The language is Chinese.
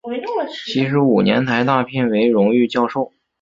七十五年台大聘为荣誉教授。